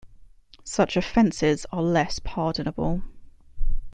Such offenses are less pardonable.